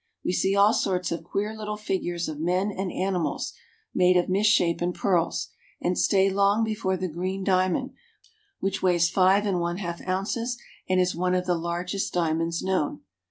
We see all sorts of queer little figures of men and animals made of misshapen pearls, and stay long before the Green Diamond, which weighs five and one half ounces and is one of the largest diamonds known.